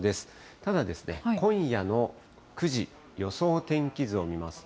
ただ、今夜の９時、予想天気図を見ますと。